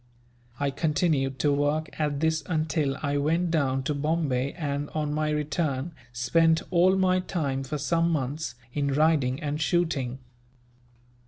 I continued to work at this until I went down to Bombay and, on my return, spent all my time, for some months, in riding and shooting.